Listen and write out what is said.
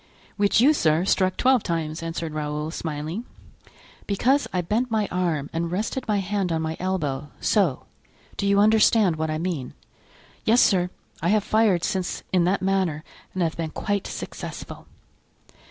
"Which you, sir, struck twelve times," answered Raoul, smiling. "Because I bent my arm and rested my hand on my elbow—so; do you understand what I mean?" "Yes, sir. I have fired since in that manner and have been quite successful."